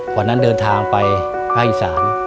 พอนั้นเดินทางไปห้าอีสาน